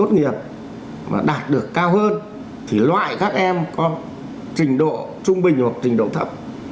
thì loại các em có trình độ trung bình hoặc trình độ thấp